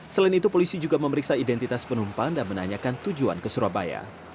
selain itu polisi juga memeriksa identitas penumpang dan menanyakan tujuan ke surabaya